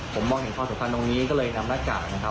ผมมองเห็นข้อสุขันต์ตรงนี้ก็เลยนำรักษานะครับ